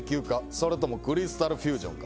それともクリスタルフュージョンか？